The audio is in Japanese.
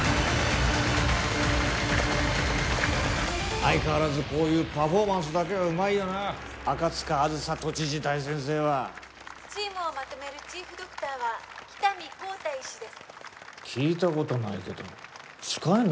相変わらずこういうパフォーマンスだけはうまいよな赤塚梓都知事大先生はチームをまとめるチーフドクターは喜多見幸太医師です聞いたことないけど使えんの？